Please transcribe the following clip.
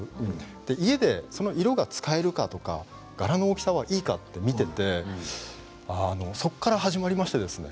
家でその色が使えるか柄の大きさがいいかと見ていてそこから始まりましてですね。